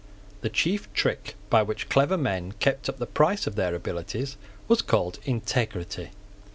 The chief trick by which clever men kept up the price of their abilities was called integrity.